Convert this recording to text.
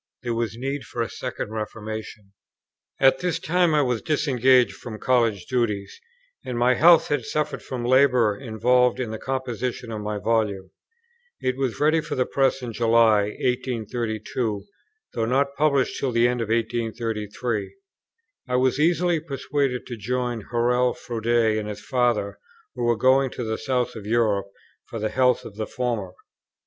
There was need of a second reformation. At this time I was disengaged from College duties, and my health had suffered from the labour involved in the composition of my Volume. It was ready for the Press in July, 1832, though not published till the end of 1833. I was easily persuaded to join Hurrell Froude and his Father, who were going to the south of Europe for the health of the former.